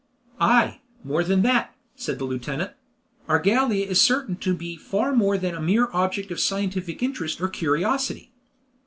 "Ay, more than that," said the lieutenant; "our Gallia is certain to be far more than a mere object of scientific interest or curiosity.